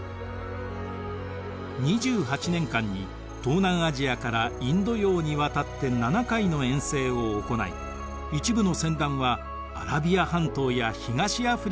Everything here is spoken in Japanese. ２８年間に東南アジアからインド洋にわたって７回の遠征を行い一部の船団はアラビア半島や東アフリカまで到達しました。